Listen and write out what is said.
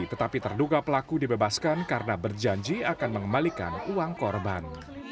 tetapi terduga pelaku dibebaskan karena berjanji akan mengembalikan uang korban